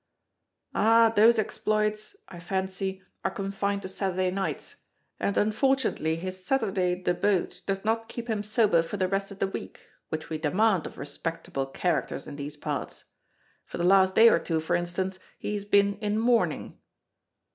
"Ah, those exploits, I fancy, are confined to Saturday nights, and unfortunately his Saturday debauch does not keep him sober for the rest of the week, which we demand of respectable characters in these parts. For the last day or two, for instance, he has been in mourning."